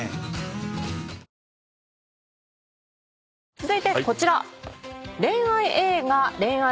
続いてこちら。